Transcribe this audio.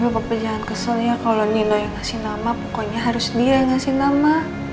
bapak jangan kesel ya kalau nino yang ngasih nama pokoknya harus dia yang ngasih nama